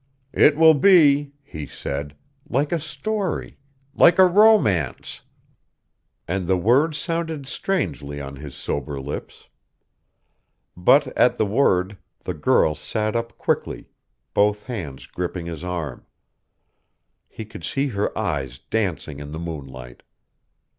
"It will be," he said, "like a story. Like a romance." And the word sounded strangely on his sober lips. But at the word, the girl sat up quickly, both hands gripping his arm. He could see her eyes dancing in the moonlight....